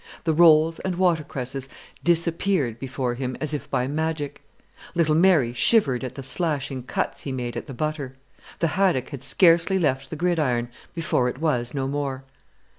The rolls and watercresses disappeared before him as if by magic; little Mary shivered at the slashing cuts he made at the butter; the haddock had scarcely left the gridiron before it was no more.